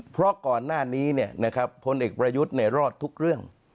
เพราะก่อนหน้านี้พลเอกประยุทธ์รอดทุกเรื่อง